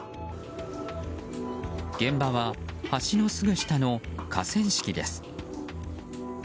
現場は、橋のすぐ下の河川敷です。